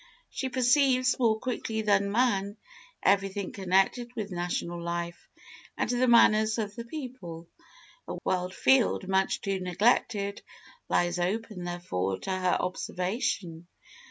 She perceives more quickly than man everything connected with national life and the manners of the people. A wide field, much too neglected, lies open, therefore, to her observation.